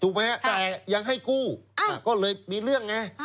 แต่ยังให้กู้ก็เลยมีเรื่องไง